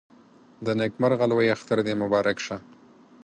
د نيکمرغه لوی اختر دې مبارک شه